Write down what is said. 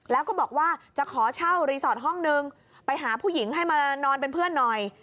แล้วก็บอกว่าจะขอเช่ารีสอร์ทห้องนึงไปหาผู้หญิงให้มานอนเป็นเพื่อนหน่อย